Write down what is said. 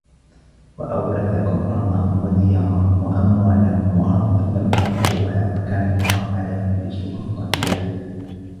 وَأَورَثَكُم أَرضَهُم وَدِيارَهُم وَأَموالَهُم وَأَرضًا لَم تَطَئوها وَكانَ اللَّهُ عَلى كُلِّ شَيءٍ قَديرًا